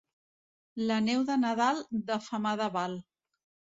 La neu de Nadal de femada val.